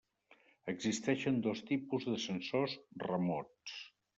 Existeixen dos tipus de sensors remots.